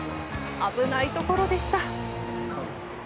危ないところでした。